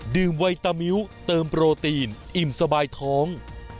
ไวตามิ้วเติมโปรตีนอิ่มสบายท้อง